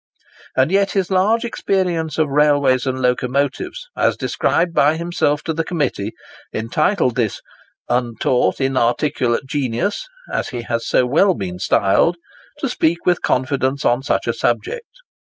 And yet his large experience of railways and locomotives, as described by himself to the Committee, entitled this "untaught, inarticulate genius," as he has so well been styled, to speak with confidence on such a subject.